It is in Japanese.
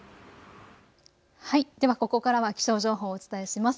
ではここからは気象情報をお伝えします。